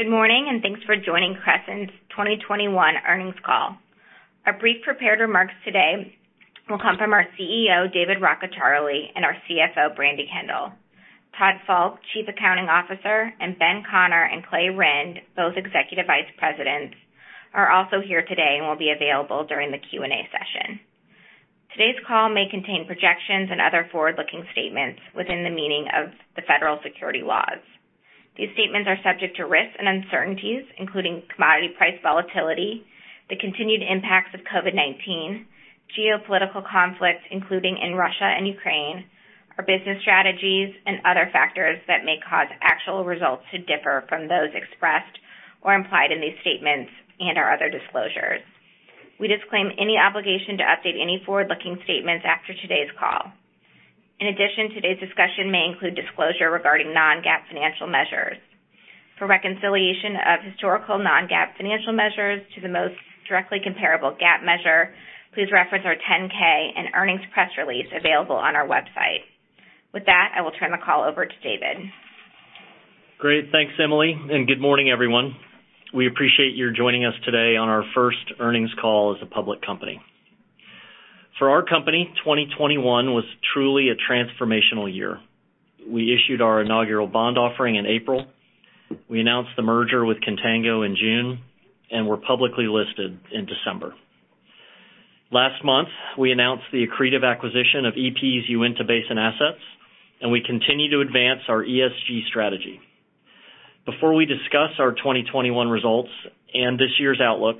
Good morning, and thanks for joining Crescent's 2021 earnings call. Our brief prepared remarks today will come from our CEO, David Rockecharlie, and our CFO, Brandi Kendall. Todd Falk, Chief Accounting Officer, and Ben Conner and Clay Rynd, both Executive Vice Presidents, are also here today and will be available during the Q&A session. Today's call may contain projections and other forward-looking statements within the meaning of the federal securities laws. These statements are subject to risks and uncertainties, including commodity price volatility, the continued impacts of COVID-19, geopolitical conflicts, including in Russia and Ukraine, our business strategies and other factors that may cause actual results to differ from those expressed or implied in these statements and our other disclosures. We disclaim any obligation to update any forward-looking statements after today's call. In addition, today's discussion may include disclosure regarding non-GAAP financial measures. For reconciliation of historical non-GAAP financial measures to the most directly comparable GAAP measure, please reference our 10-K and earnings press release available on our website. With that, I will turn the call over to David. Great. Thanks, Emily, and good morning, everyone. We appreciate your joining us today on our first earnings call as a public company. For our company, 2021 was truly a transformational year. We issued our inaugural bond offering in April. We announced the merger with Contango in June, and were publicly listed in December. Last month, we announced the accretive acquisition of EP Energy's Uinta Basin assets, and we continue to advance our ESG strategy. Before we discuss our 2021 results and this year's outlook,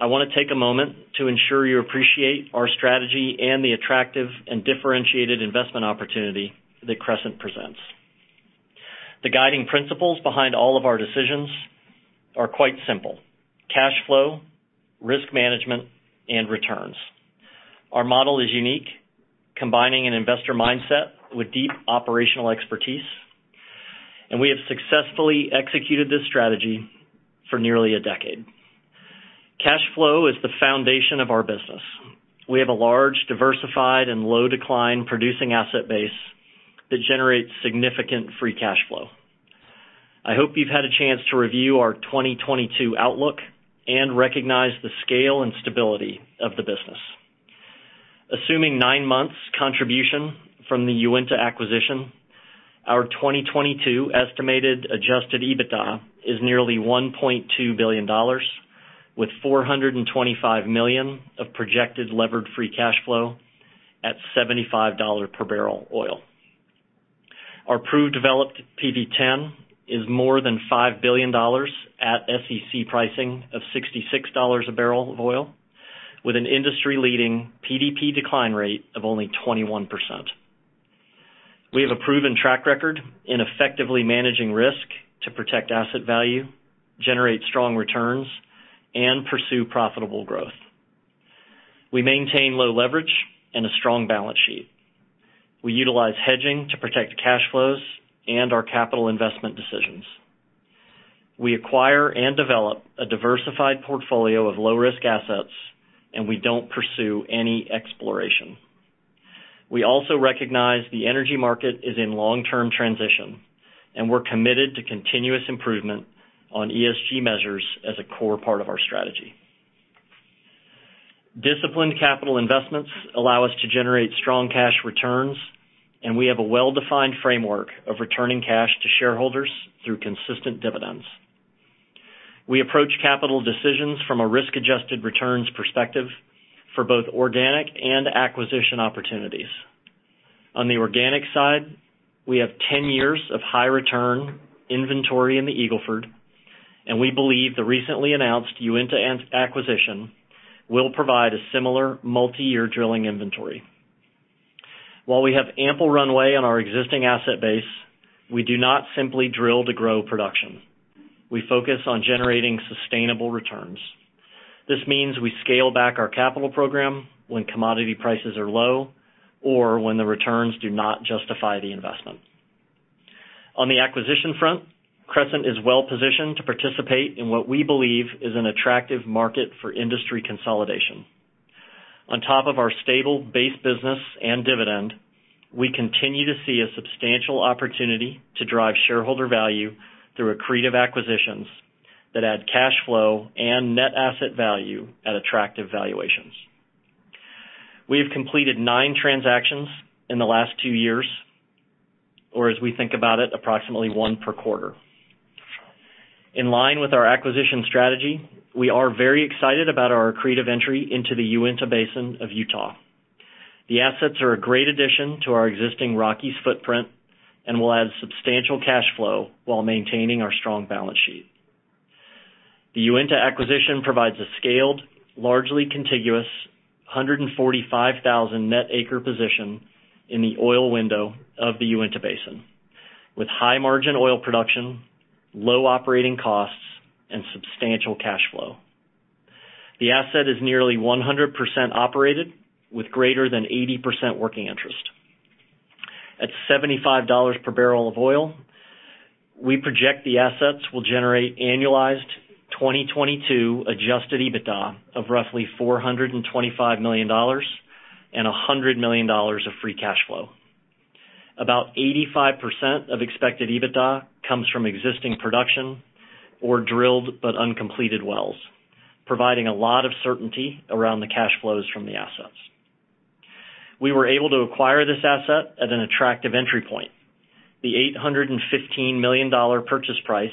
I wanna take a moment to ensure you appreciate our strategy and the attractive and differentiated investment opportunity that Crescent presents. The guiding principles behind all of our decisions are quite simple. Cash flow, risk management, and returns. Our model is unique, combining an investor mindset with deep operational expertise, and we have successfully executed this strategy for nearly a decade. Cash flow is the foundation of our business. We have a large, diversified, and low-decline producing asset base that generates significant free cash flow. I hope you've had a chance to review our 2022 outlook and recognize the scale and stability of the business. Assuming nine months contribution from the Uinta acquisition, our 2022 estimated adjusted EBITDA is nearly $1.2 billion, with $425 million of projected levered free cash flow at $75 per barrel oil. Our proved developed PV-10 is more than $5 billion at SEC pricing of $66 a barrel of oil, with an industry-leading PDP decline rate of only 21%. We have a proven track record in effectively managing risk to protect asset value, generate strong returns, and pursue profitable growth. We maintain low leverage and a strong balance sheet. We utilize hedging to protect cash flows and our capital investment decisions. We acquire and develop a diversified portfolio of low-risk assets, and we don't pursue any exploration. We also recognize the energy market is in long-term transition, and we're committed to continuous improvement on ESG measures as a core part of our strategy. Disciplined capital investments allow us to generate strong cash returns, and we have a well-defined framework of returning cash to shareholders through consistent dividends. We approach capital decisions from a risk-adjusted returns perspective for both organic and acquisition opportunities. On the organic side, we have 10 years of high return inventory in the Eagle Ford, and we believe the recently announced Uinta Basin acquisition will provide a similar multiyear drilling inventory. While we have ample runway on our existing asset base, we do not simply drill to grow production. We focus on generating sustainable returns. This means we scale back our capital program when commodity prices are low or when the returns do not justify the investment. On the acquisition front, Crescent is well-positioned to participate in what we believe is an attractive market for industry consolidation. On top of our stable base business and dividend, we continue to see a substantial opportunity to drive shareholder value through accretive acquisitions that add cash flow and net asset value at attractive valuations. We have completed nine transactions in the last two years, or as we think about it, approximately one per quarter. In line with our acquisition strategy, we are very excited about our accretive entry into the Uinta Basin of Utah. The assets are a great addition to our existing Rockies footprint and will add substantial cash flow while maintaining our strong balance sheet. The Uinta acquisition provides a scaled, largely contiguous 145,000 net acre position in the oil window of the Uinta Basin, with high-margin oil production, low operating costs, and substantial cash flow. The asset is nearly 100% operated with greater than 80% working interest. At $75 per barrel of oil, we project the assets will generate annualized 2022 adjusted EBITDA of roughly $425 million and $100 million of free cash flow. About 85% of expected EBITDA comes from existing production or drilled but uncompleted wells, providing a lot of certainty around the cash flows from the assets. We were able to acquire this asset at an attractive entry point. The $815 million purchase price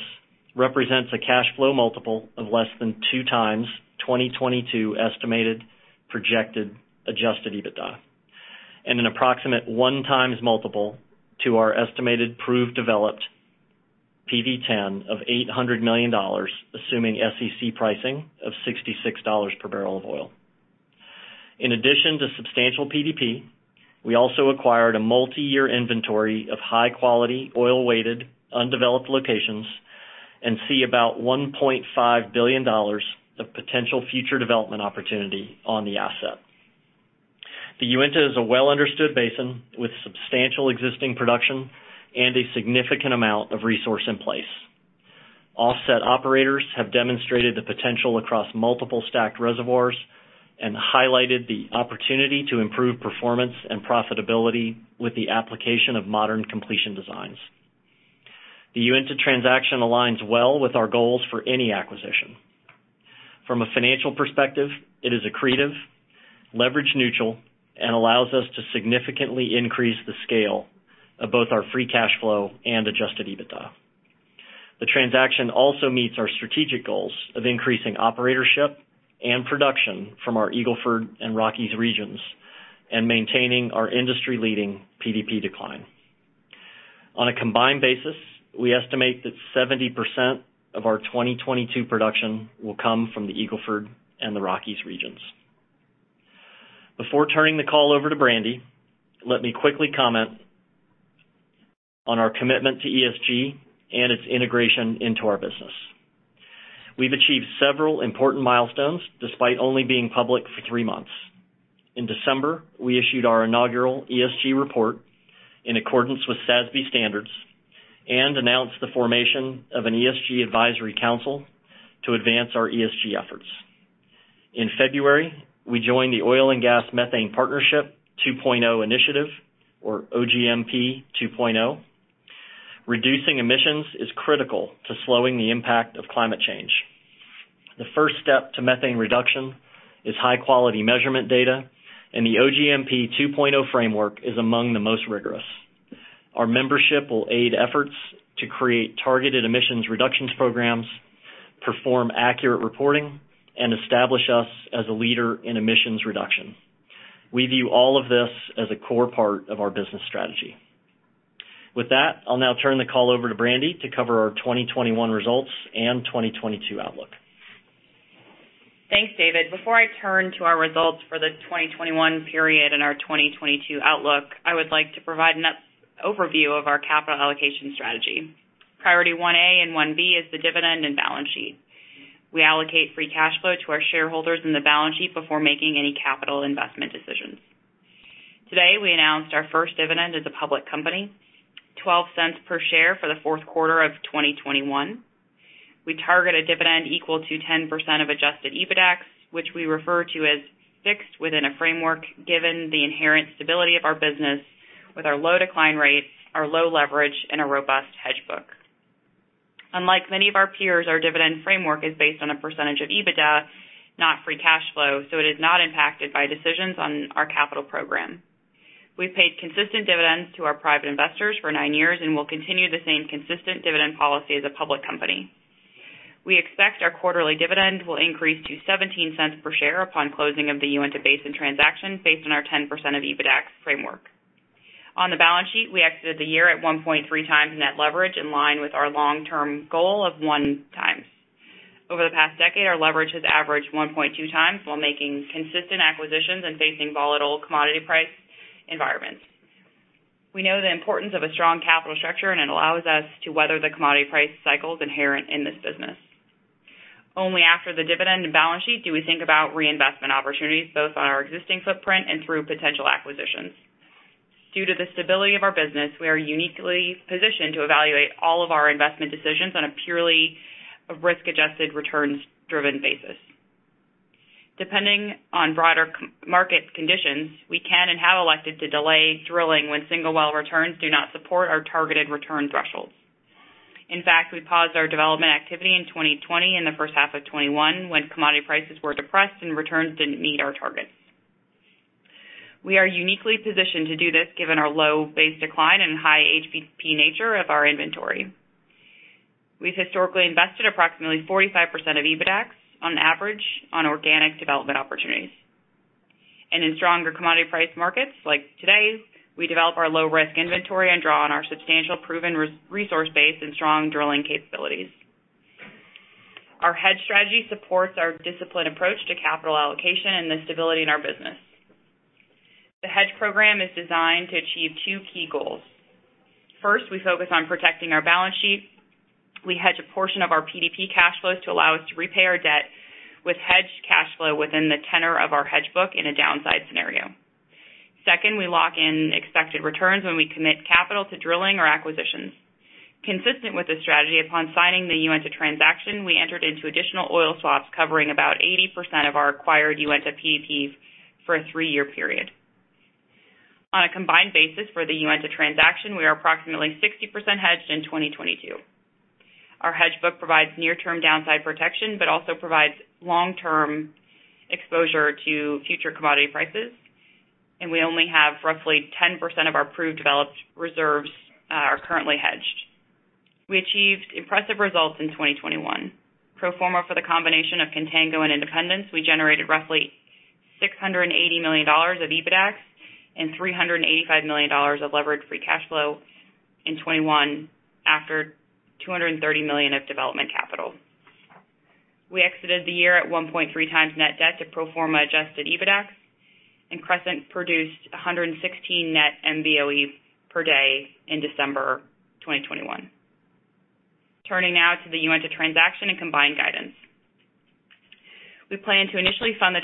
represents a cash flow multiple of less than 2x 2022 estimated projected adjusted EBITDA and an approximate 1x multiple to our estimated proved developed PV-10 of $800 million, assuming SEC pricing of $66 per barrel of oil. In addition to substantial PDP, we also acquired a multi-year inventory of high-quality oil-weighted undeveloped locations and see about $1.5 billion of potential future development opportunity on the asset. The Uinta is a well-understood basin with substantial existing production and a significant amount of resource in place. Offset operators have demonstrated the potential across multiple stacked reservoirs and highlighted the opportunity to improve performance and profitability with the application of modern completion designs. The Uinta transaction aligns well with our goals for any acquisition. From a financial perspective, it is accretive, leverage neutral, and allows us to significantly increase the scale of both our free cash flow and adjusted EBITDA. The transaction also meets our strategic goals of increasing operatorship and production from our Eagle Ford and Rockies regions and maintaining our industry-leading PDP decline. On a combined basis, we estimate that 70% of our 2022 production will come from the Eagle Ford and the Rockies regions. Before turning the call over to Brandi, let me quickly comment on our commitment to ESG and its integration into our business. We've achieved several important milestones despite only being public for three months. In December, we issued our inaugural ESG report in accordance with SASB standards and announced the formation of an ESG advisory council to advance our ESG efforts. In February, we joined the Oil & Gas Methane Partnership 2.0 initiative or OGMP 2.0. Reducing emissions is critical to slowing the impact of climate change. The first step to methane reduction is high-quality measurement data, and the OGMP 2.0 framework is among the most rigorous. Our membership will aid efforts to create targeted emissions reductions programs, perform accurate reporting, and establish us as a leader in emissions reduction. We view all of this as a core part of our business strategy. With that, I'll now turn the call over to Brandi to cover our 2021 results and 2022 outlook. Thanks, David. Before I turn to our results for the 2021 period and our 2022 outlook, I would like to provide an overview of our capital allocation strategy. Priority 1A and 1B is the dividend and balance sheet. We allocate free cash flow to our shareholders in the balance sheet before making any capital investment decisions. Today, we announced our first dividend as a public company, $0.12 per share for the Q4 of 2021. We target a dividend equal to 10% of adjusted EBITDAX, which we refer to as fixed within a framework, given the inherent stability of our business with our low decline rates, our low leverage, and a robust hedge book. Unlike many of our peers, our dividend framework is based on a percentage of EBITDA, not free cash flow, so it is not impacted by decisions on our capital program. We've paid consistent dividends to our private investors for nine years and will continue the same consistent dividend policy as a public company. We expect our quarterly dividend will increase to $0.17 per share upon closing of the Uinta Basin transaction based on our 10% of EBITDAX framework. On the balance sheet, we exited the year at 1.3x net leverage in line with our long-term goal of 1x. Over the past decade, our leverage has averaged 1.2x while making consistent acquisitions and facing volatile commodity price environments. We know the importance of a strong capital structure, and it allows us to weather the commodity price cycles inherent in this business. Only after the dividend and balance sheet do we think about reinvestment opportunities, both on our existing footprint and through potential acquisitions. Due to the stability of our business, we are uniquely positioned to evaluate all of our investment decisions on a purely risk-adjusted returns-driven basis. Depending on broader market conditions, we can and have elected to delay drilling when single well returns do not support our targeted return thresholds. In fact, we paused our development activity in 2020 and the H1 of 2021 when commodity prices were depressed and returns didn't meet our targets. We are uniquely positioned to do this given our low base decline and high HBP nature of our inventory. We've historically invested approximately 45% of EBITDAX on average on organic development opportunities. In stronger commodity price markets like today's, we develop our low-risk inventory and draw on our substantial proven resource base and strong drilling capabilities. Our hedge strategy supports our disciplined approach to capital allocation and the stability in our business. The hedge program is designed to achieve two key goals. First, we focus on protecting our balance sheet. We hedge a portion of our PDP cash flows to allow us to repay our debt with hedged cash flow within the tenor of our hedge book in a downside scenario. Second, we lock in expected returns when we commit capital to drilling or acquisitions. Consistent with the strategy, upon signing the Uinta transaction, we entered into additional oil swaps covering about 80% of our acquired Uinta PDPs for a three-year period. On a combined basis for the Uinta transaction, we are approximately 60% hedged in 2022. Our hedge book provides near-term downside protection, but also provides long-term exposure to future commodity prices, and we only have roughly 10% of our proved developed reserves are currently hedged. We achieved impressive results in 2021. Pro forma for the combination of Contango and Independence, we generated roughly $680 million of EBITDAX and $385 million of leverage free cash flow in 2021 after $230 million of development capital. We exited the year at 1.3x net debt to pro forma adjusted EBITDAX, and Crescent produced 116 net MBOE per day in December 2021. Turning now to the Uinta transaction and combined guidance. We plan to initially fund the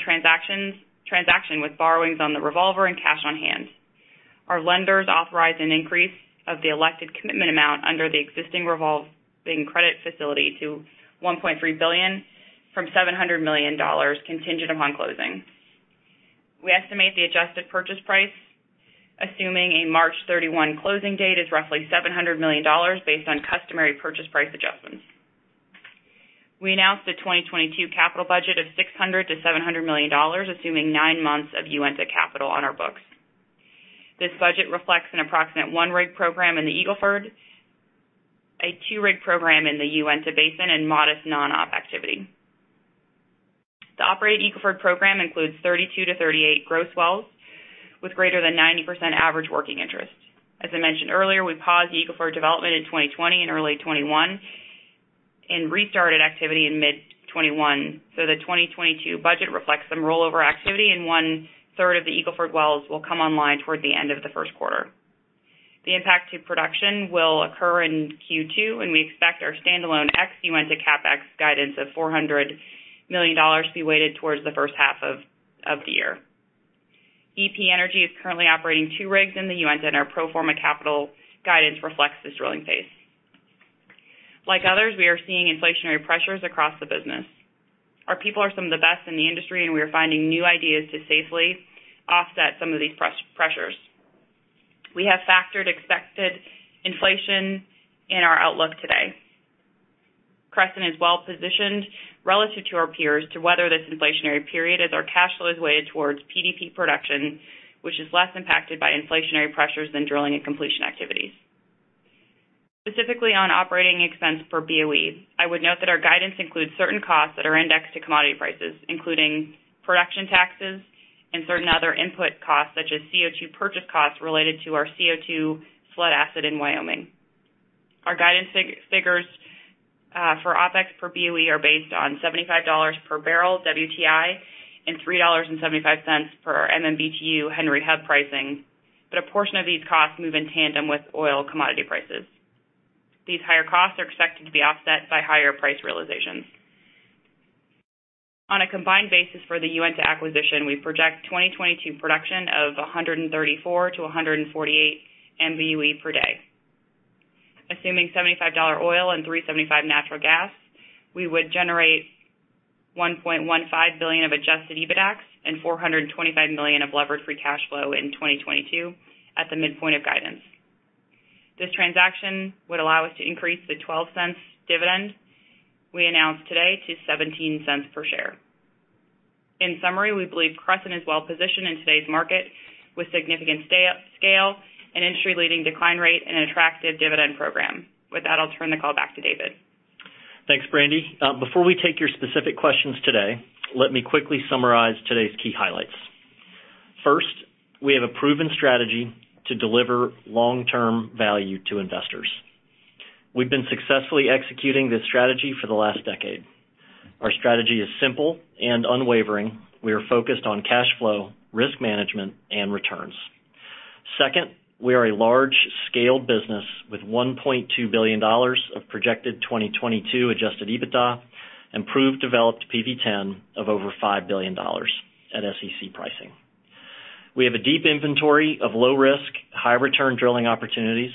transaction with borrowings on the revolver and cash on hand. Our lenders authorized an increase of the elected commitment amount under the existing revolving credit facility to $1.3 billion from $700 million contingent upon closing. We estimate the adjusted purchase price, assuming a March 31 closing date, is roughly $700 million based on customary purchase price adjustments. We announced a 2022 capital budget of $600 million-$700 million, assuming nine months of Uinta capital on our books. This budget reflects an approximate one-rig program in the Eagle Ford, a two-rig program in the Uinta Basin, and modest non-op activity. The operated Eagle Ford program includes 32-38 gross wells with greater than 90% average working interest. As I mentioned earlier, we paused the Eagle Ford development in 2020 and early 2021 and restarted activity in mid-2021. The 2022 budget reflects some rollover activity, and one-third of the Eagle Ford wells will come online toward the end of the Q1. The impact to production will occur in Q2, and we expect our standalone ex-Uinta CapEx guidance of $400 million to be weighted towards the H1 of the year. EP Energy is currently operating two rigs in the Uinta, and our pro forma capital guidance reflects this drilling pace. Like others, we are seeing inflationary pressures across the business. Our people are some of the best in the industry, and we are finding new ideas to safely offset some of these pressures. We have factored expected inflation in our outlook today. Crescent is well-positioned relative to our peers to weather this inflationary period as our cash flow is weighted towards PDP production, which is less impacted by inflationary pressures than drilling and completion activities. Specifically on operating expense for BOE, I would note that our guidance includes certain costs that are indexed to commodity prices, including production taxes and certain other input costs, such as CO2 purchase costs related to our CO2 flood asset in Wyoming. Our guidance figures for OpEx per BOE are based on $75 per barrel WTI and $3.75 per MMBtu Henry Hub pricing, but a portion of these costs move in tandem with oil commodity prices. These higher costs are expected to be offset by higher price realizations. On a combined basis for the Uinta acquisition, we project 2022 production of 134-148 MBOE per day. Assuming $75 oil and $3.75 natural gas, we would generate $1.15 billion of adjusted EBITDAX and $425 million of leverage-free cash flow in 2022 at the midpoint of guidance. This transaction would allow us to increase the $0.12 dividend we announced today to $0.17 per share. In summary, we believe Crescent is well positioned in today's market with significant scale-up and industry-leading decline rate and an attractive dividend program. With that, I'll turn the call back to David. Thanks, Brandi. Before we take your specific questions today, let me quickly summarize today's key highlights. First, we have a proven strategy to deliver long-term value to investors. We've been successfully executing this strategy for the last decade. Our strategy is simple and unwavering. We are focused on cash flow, risk management, and returns. Second, we are a large-scale business with $1.2 billion of projected 2022 adjusted EBITDA and proved developed PV-10 of over $5 billion at SEC pricing. We have a deep inventory of low-risk, high-return drilling opportunities.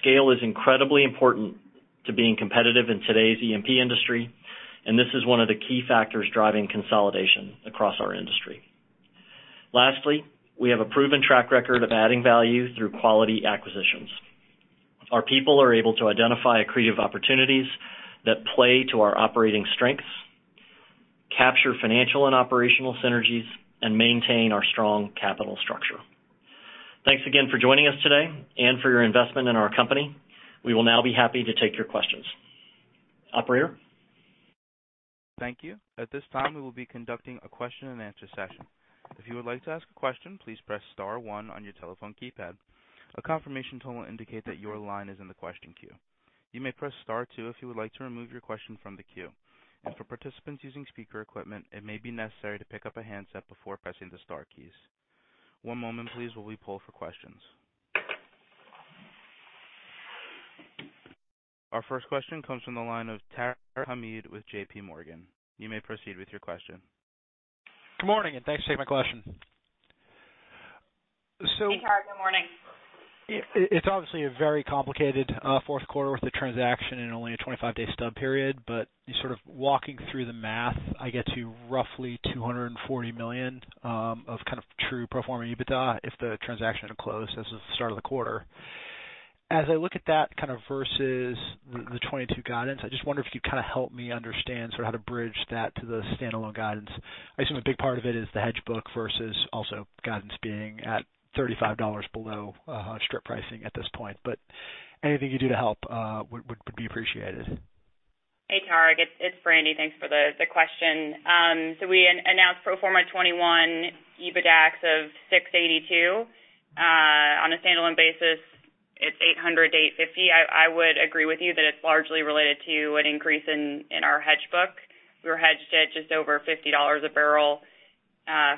Scale is incredibly important to being competitive in today's E&P industry, and this is one of the key factors driving consolidation across our industry. Lastly, we have a proven track record of adding value through quality acquisitions. Our people are able to identify accretive opportunities that play to our operating strengths, capture financial and operational synergies, and maintain our strong capital structure. Thanks again for joining us today and for your investment in our company. We will now be happy to take your questions. Operator? Thank you. At this time, we will be conducting a question-and-answer session. If you would like to ask a question, please press star one on your telephone keypad. A confirmation tone will indicate that your line is in the question queue. You may press star two if you would like to remove your question from the queue. For participants using speaker equipment, it may be necessary to pick up a handset before pressing the star keys. One moment please, while we poll for questions. Our first question comes from the line of Tarek Hamid with J.P. Morgan. You may proceed with your question. Good morning, and thanks for taking my question. So- Hey, Tarek. Good morning. It's obviously a very complicated Q4 with the transaction and only a 25-day stub period. Just sort of walking through the math, I get to roughly $240 million of kind of true pro forma EBITDA if the transaction had closed as of the start of the quarter. As I look at that kind of versus the 2022 guidance, I just wonder if you kind of help me understand sort of how to bridge that to the standalone guidance. I assume a big part of it is the hedge book versus also guidance being at $35 below strip pricing at this point. Anything you can do to help would be appreciated. Hey, Tarek. It's Brandi. Thanks for the question. We announced pro forma 2021 EBITDAX of $682 million. On a standalone basis, it's $800 million-$850 million. I would agree with you that it's largely related to an increase in our hedge book. We were hedged at just over $50 a barrel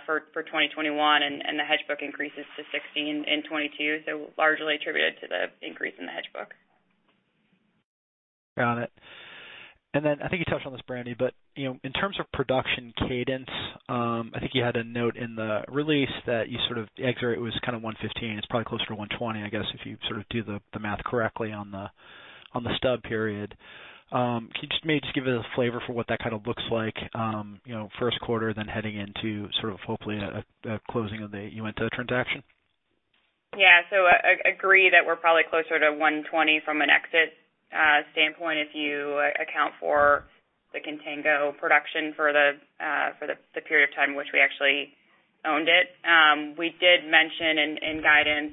for 2021, and the hedge book increases to 16 in 2022, largely attributed to the increase in the hedge book. Got it. Then I think you touched on this, Brandy, but, you know, in terms of production cadence, I think you had a note in the release that the exit rate was kind of 115. It's probably closer to 120, I guess, if you sort of do the math correctly on the stub period. Can you just maybe just give us a flavor for what that kind of looks like, you know, Q1 then heading into sort of hopefully a closing of the Uinta transaction? Yeah. Agree that we're probably closer to 120 from an exit standpoint, if you account for the Contango production for the period of time in which we actually owned it. We did mention in guidance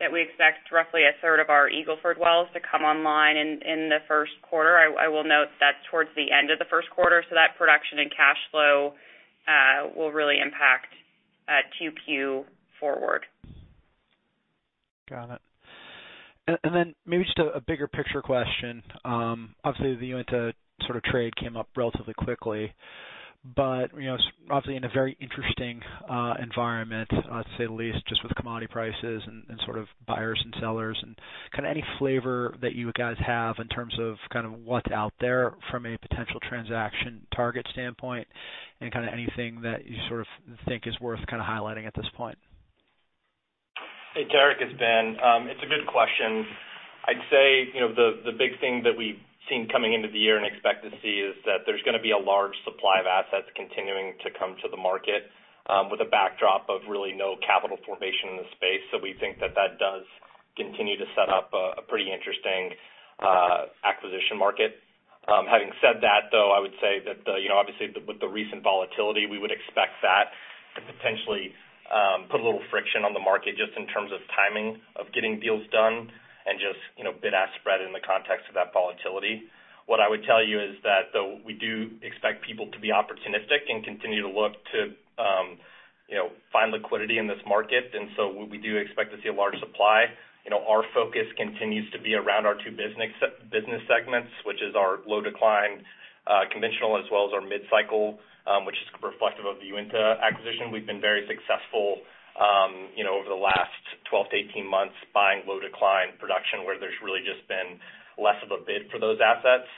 that we expect roughly a third of our Eagle Ford wells to come online in the Q1. I will note that's towards the end of the Q1, so that production and cash flow will really impact 2Q forward. Got it. Then maybe just a bigger picture question. Obviously, the Uinta sort of trade came up relatively quickly. You know, it's obviously in a very interesting environment, to say the least, just with commodity prices and sort of buyers and sellers. Kind of any flavor that you guys have in terms of kind of what's out there from a potential transaction target standpoint, and kind of anything that you sort of think is worth kind of highlighting at this point. Hey, Tarek, it's Ben. It's a good question. I'd say, you know, the big thing that we've seen coming into the year and expect to see is that there's gonna be a large supply of assets continuing to come to the market, with a backdrop of really no capital formation in the space. We think that does continue to set up a pretty interesting acquisition market. Having said that, though, I would say that, you know, obviously with the recent volatility, we would expect that to potentially put a little friction on the market just in terms of timing of getting deals done and just, you know, bid-ask spread in the context of that volatility. What I would tell you is that, though, we do expect people to be opportunistic and continue to look to, you know, find liquidity in this market. We do expect to see a large supply. You know, our focus continues to be around our two business segments, which is our low decline, conventional as well as our mid-cycle, which is reflective of the Uinta acquisition. We've been very successful, you know, over the last 12-18 months buying low decline production where there's really just been less of a bid for those assets.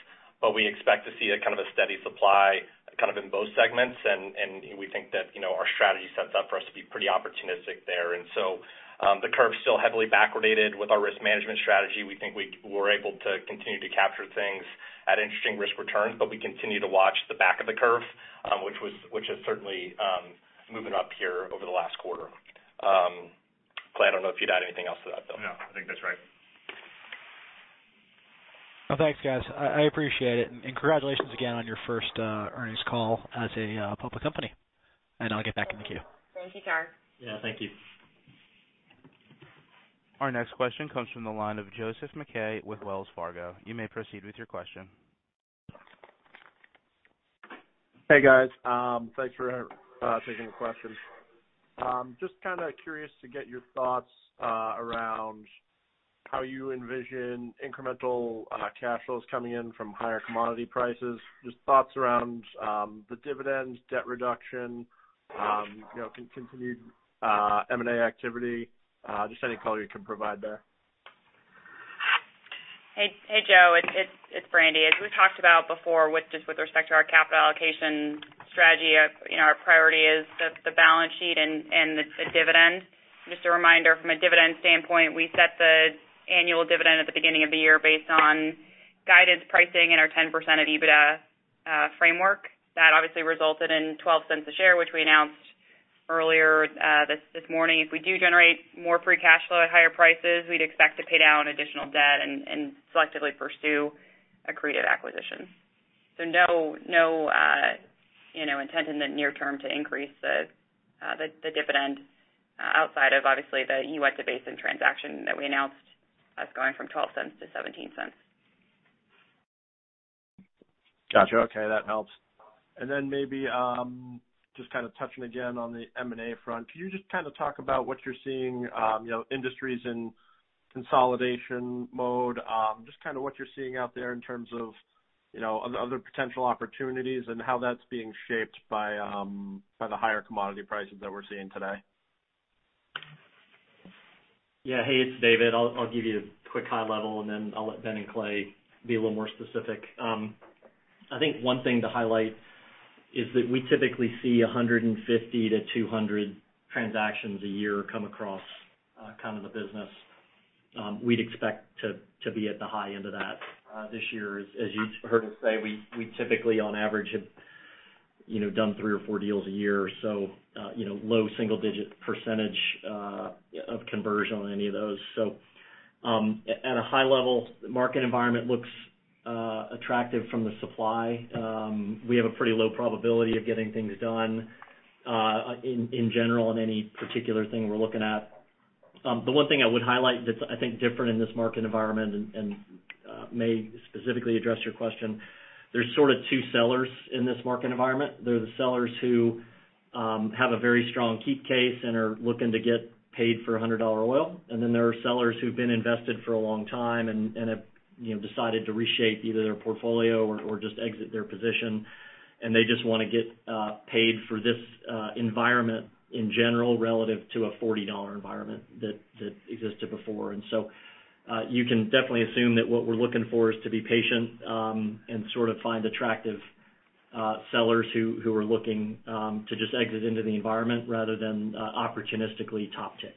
We expect to see a kind of a steady supply kind of in both segments and we think that, you know, our strategy sets up for us to be pretty opportunistic there. The curve's still heavily backwardated. With our risk management strategy, we think we're able to continue to capture things at interesting risk returns. We continue to watch the back of the curve, which is certainly moving up here over the last quarter. Clay, I don't know if you'd add anything else to that, though. No, I think that's right. Well, thanks, guys. I appreciate it. Congratulations again on your first earnings call as a public company. I'll get back in the queue. Thank you, Tarek. Yeah, thank you. Our next question comes from the line of Joseph McKay with Wells Fargo. You may proceed with your question. Hey, guys. Thanks for taking the question. Just kinda curious to get your thoughts around how you envision incremental cash flows coming in from higher commodity prices. Just thoughts around the dividends, debt reduction, you know, continued M&A activity, just any color you can provide there. Hey, Joe, it's Brandy. As we talked about before with respect to our capital allocation strategy, you know, our priority is the balance sheet and the dividend. Just a reminder from a dividend standpoint, we set the annual dividend at the beginning of the year based on guidance pricing and our 10% of EBITDA framework. That obviously resulted in $0.12 a share, which we announced earlier this morning. If we do generate more free cash flow at higher prices, we'd expect to pay down additional debt and selectively pursue accretive acquisitions. No, you know, intent in the near term to increase the dividend, outside of obviously the Uinta Basin transaction that we announced as going from $0.12 to $0.17. Gotcha. Okay, that helps. Then maybe just kind of touching again on the M&A front. Can you just kind of talk about what you're seeing, you know, industries in consolidation mode, just kind of what you're seeing out there in terms of, you know, other potential opportunities and how that's being shaped by the higher commodity prices that we're seeing today? Yeah. Hey, it's David. I'll give you a quick high level, and then I'll let Ben and Clay be a little more specific. I think one thing to highlight is that we typically see 150-200 transactions a year come across, kind of the business. We'd expect to be at the high end of that, this year. As you heard us say, we typically on average have, you know, done three or four deals a year or so, you know, low single-digit percentage of conversion on any of those. At a high level, the market environment looks attractive from the supply. We have a pretty low probability of getting things done, in general in any particular thing we're looking at. The one thing I would highlight that's I think different in this market environment and may specifically address your question, there's sort of two sellers in this market environment. There are the sellers who have a very strong keep case and are looking to get paid for $100 oil. Then there are sellers who've been invested for a long time and have, you know, decided to reshape either their portfolio or just exit their position. They just wanna get paid for this environment in general relative to a $40 environment that existed before. So you can definitely assume that what we're looking for is to be patient and sort of find attractive sellers who are looking to just exit into the environment rather than opportunistically top tick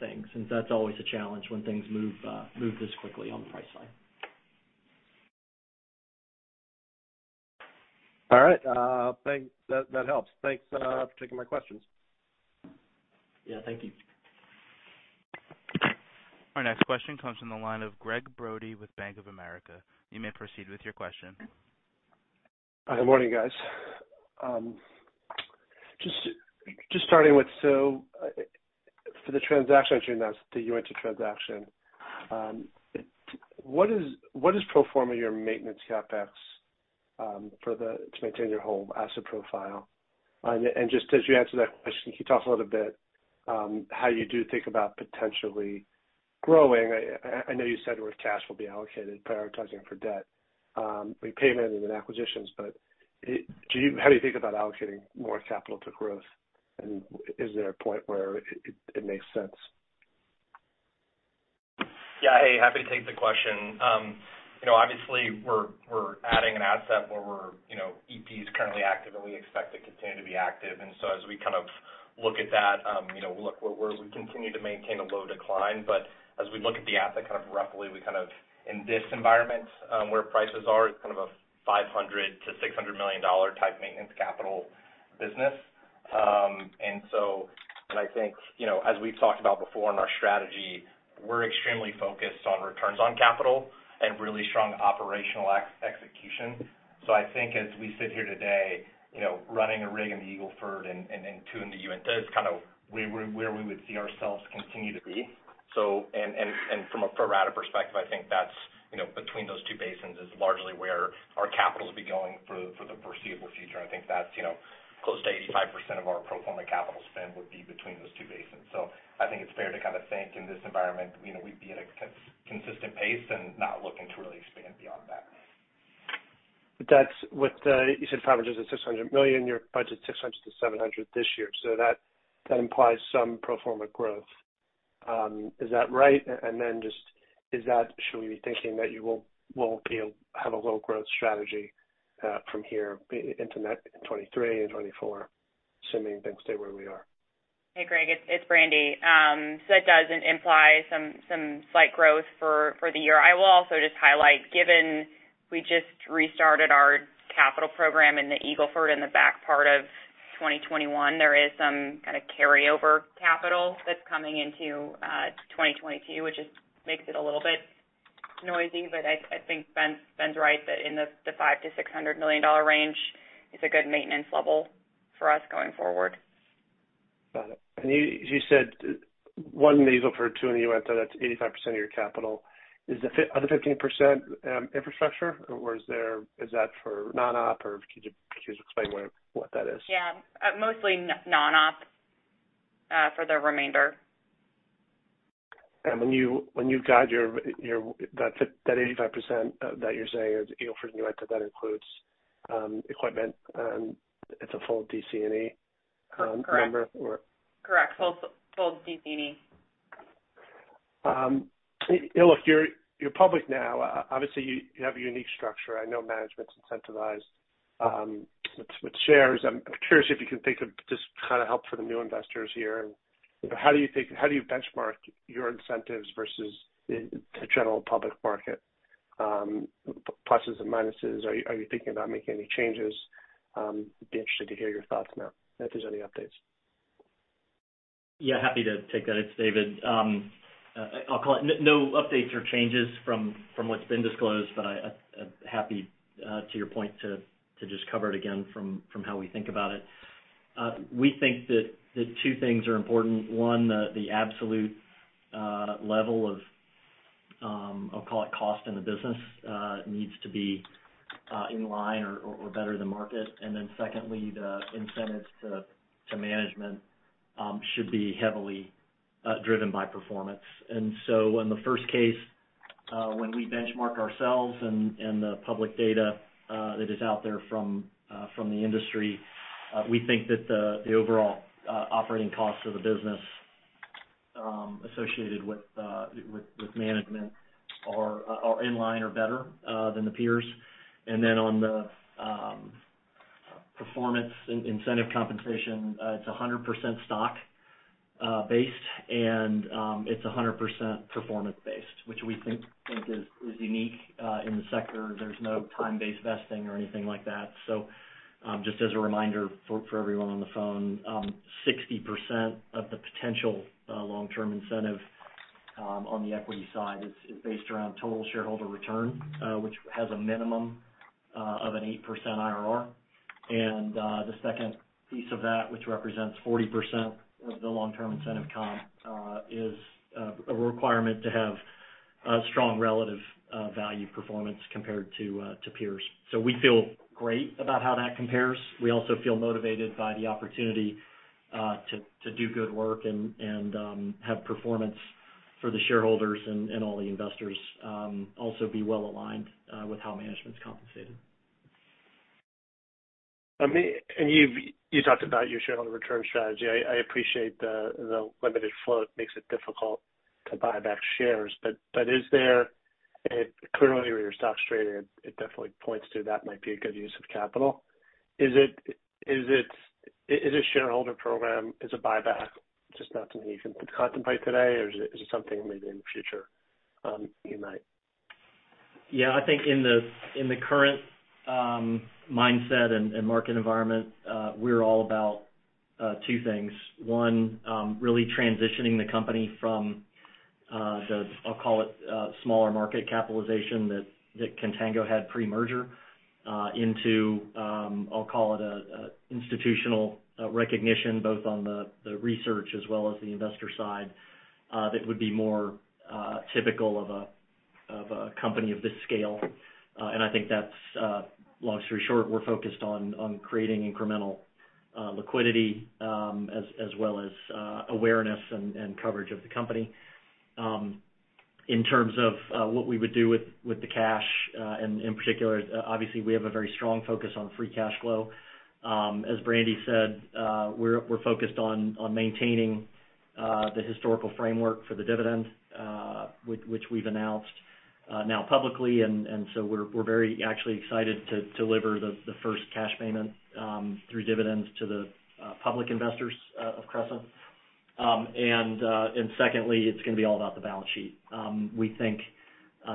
things. That's always a challenge when things move this quickly on the price line. All right. That helps. Thanks for taking my questions. Yeah, thank you. Our next question comes from the line of Gregg Brody with Bank of America. You may proceed with your question. Good morning, guys. Just starting with, so for the transaction that you announced, the Uinta transaction, what is pro forma your maintenance CapEx to maintain your whole asset profile? Just as you answer that question, can you talk a little bit how you do think about potentially growing? I know you said where cash will be allocated, prioritizing for debt repayment and then acquisitions. How do you think about allocating more capital to growth? Is there a point where it makes sense? Yeah. Hey, happy to take the question. You know, obviously we're adding an asset where we're, you know, EP is currently active, and we expect it to continue to be active. We kind of look at that, you know, look where we continue to maintain a low decline. We look at the asset kind of roughly, we kind of in this environment, where prices are, it's kind of a $500 million-$600 million type maintenance capital business. I think, you know, as we've talked about before in our strategy, we're extremely focused on returns on capital and really strong operational execution. I think as we sit here today, you know, running a rig in the Eagle Ford and two in the Uinta is kind of where we would see ourselves continue to be. From a pro rata perspective, I think that's, you know, between those two basins is largely where our capital will be going for the foreseeable future. I think that's, you know, close to 85% of our pro forma capital spend would be between those two basins. I think it's fair to kind of think in this environment, you know, we'd be at a consistent pace and not looking to really expand beyond that. That's what you said $500 million-$600 million, your budget $600 million-$700 million this year. That implies some pro forma growth. Is that right? Just is that should we be thinking that you will have a low growth strategy from here into 2023 and 2024, assuming things stay where we are? Hey, Greg, it's Brandi. So it does imply some slight growth for the year. I will also just highlight, given we just restarted our capital program in the Eagle Ford in the back part of 2021, there is some kind of carryover capital that's coming into 2022, which just makes it a little bit noisy. I think Ben's right that in the $500 million-$600 million range is a good maintenance level for us going forward. Got it. You said one in the Eagle Ford, two in the Uinta, that's 85% of your capital. Are the 15% infrastructure or is that for non-op? Or could you just explain what that is? Yeah. Mostly non-op for the remainder. When you've got your that 85% that you're saying is Eagle Ford and Uinta, that includes equipment, and it's a full DC and E number or? Correct. Full DC and E. Look, you're public now. Obviously you have a unique structure. I know management's incentivized with shares. I'm curious if you can think of just kind of help for the new investors here. How do you benchmark your incentives versus the general public market, pluses and minuses? Are you thinking about making any changes? I'd be interested to hear your thoughts now, if there's any updates. Yeah, happy to take that. It's David. I'll call it no updates or changes from what's been disclosed, but I'm happy to your point to just cover it again from how we think about it. We think that the two things are important. One, the absolute level of I'll call it cost in the business needs to be in line or better than market. Then secondly, the incentives to management should be heavily driven by performance. In the first case, when we benchmark ourselves and the public data that is out there from the industry, we think that the overall operating costs of the business associated with management are in line or better than the peers. and it's 100% performance based, which we think is unique in the sector. There's no time-based vesting or anything like that. Just as a reminder for everyone on the phone, 60% of the potential long-term incentive on the equity side is based around total shareholder return, which has a minimum of an 8% IRR. The second piece of that, which represents 40% of the long-term incentive comp, is a requirement to have a strong relative value performance compared to peers. We feel great about how that compares. We also feel motivated by the opportunity to do good work and have performance for the shareholders and all the investors, also be well aligned with how management's compensated. I mean, you talked about your shareholder return strategy. I appreciate the limited float makes it difficult to buy back shares. Clearly with your stock strategy, it definitely points to that might be a good use of capital. Is it a shareholder program as a buyback just not something you can contemplate today, or is it something maybe in the future, you might? Yeah. I think in the current mindset and market environment, we're all about two things. One, really transitioning the company from the smaller market capitalization that Contango had pre-merger, into a institutional recognition both on the research as well as the investor side, that would be more typical of a company of this scale. I think that's long story short, we're focused on creating incremental liquidity, as well as awareness and coverage of the company. In terms of what we would do with the cash in particular, obviously, we have a very strong focus on free cash flow. As Brandi said, we're focused on maintaining the historical framework for the dividend, which we've announced now publicly. We're very actually excited to deliver the first cash payment through dividends to the public investors of Crescent. Secondly, it's gonna be all about the balance sheet. We think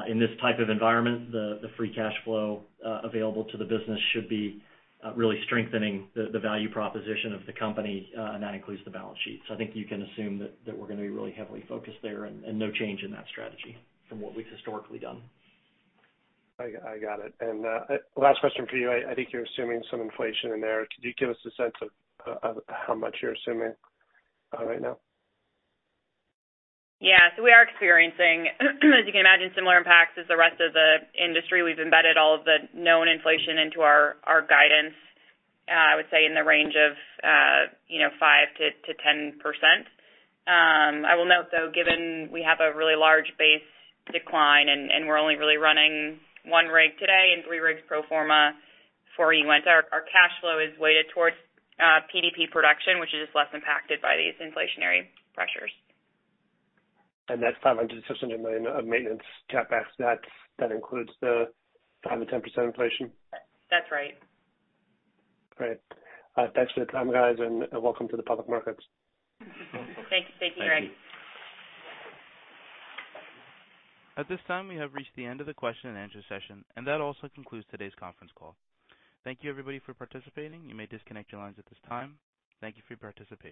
in this type of environment, the free cash flow available to the business should be really strengthening the value proposition of the company, and that includes the balance sheet. I think you can assume that we're gonna be really heavily focused there and no change in that strategy from what we've historically done. I got it. Last question for you. I think you're assuming some inflation in there. Could you give us a sense of how much you're assuming right now? Yeah. We are experiencing, as you can imagine, similar impacts as the rest of the industry. We've embedded all of the known inflation into our guidance. I would say in the range of, you know, 5%-10%. I will note, though, given we have a really large base decline and we're only really running 1 rig today and 3 rigs pro forma for you, our cash flow is weighted towards PDP production, which is less impacted by these inflationary pressures. That's $560 million of maintenance CapEx. That includes the 5%-10% inflation? That's right. Great. Thanks for the time, guys, and welcome to the public markets. Thank you, Greg. Thank you. At this time, we have reached the end of the question and answer session, and that also concludes today's conference call. Thank you everybody for participating. You may disconnect your lines at this time. Thank you for your participation.